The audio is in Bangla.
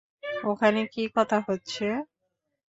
ওখানে কী কথা হচ্ছে?